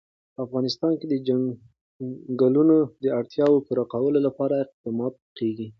په افغانستان کې د چنګلونه د اړتیاوو پوره کولو لپاره اقدامات کېږي.